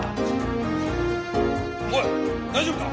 おい大丈夫か？